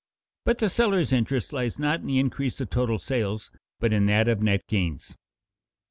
But the seller's interest lies not in the increase of total sales, but in that of net gains.